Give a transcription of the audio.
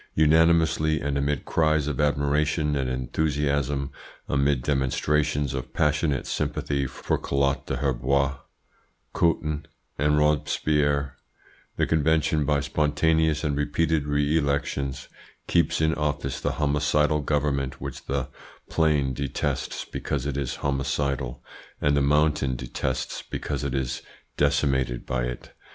Unanimously and amid cries of admiration and enthusiasm, amid demonstrations of passionate sympathy for Collot d'Herbois, Couthon, and Robespierre, the Convention by spontaneous and repeated re elections keeps in office the homicidal government which the Plain detests because it is homicidal, and the Mountain detests because it is decimated by it.